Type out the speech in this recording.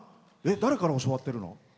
誰から教わってるの？